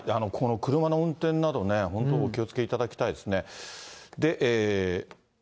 車の運転などね、本当、お気をつけいただきたいですね。